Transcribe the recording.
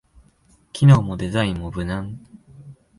機能もデザインも無難